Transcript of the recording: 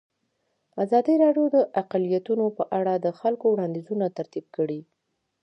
ازادي راډیو د اقلیتونه په اړه د خلکو وړاندیزونه ترتیب کړي.